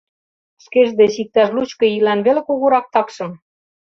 Шкеж деч иктаж лучко ийлан веле кугурак такшым.